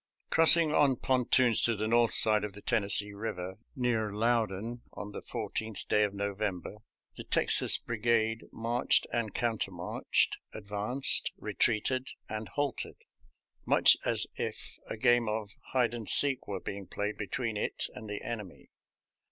»•• Crossing on pontoons to the north side of the Tennessee Eiver, near Loudon, on the 14th day of November, the Texas Brigade marched and countermarched, advanced, retreated, and halted, much as if a game of "hide and seek" were being played between it and the enemy.